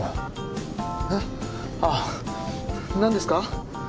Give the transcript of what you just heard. えっ？あっなんですか？